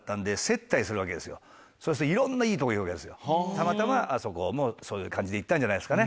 たまたまあそこもそういう感じで行ったんじゃないですかね。